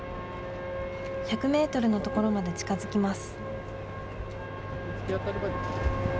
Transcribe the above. １００メートルの所まで近づきます。